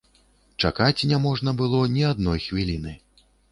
Чакаць не можна было ні адной хвіліны.